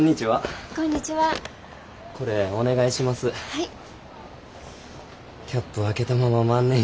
はい。